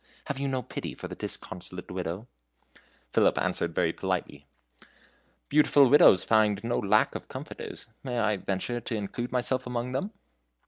Have you no pity for the disconsolate Widow?" Philip answered very politely: "Beautiful widows find no lack of comforters. May I venture to include myself amongst them?"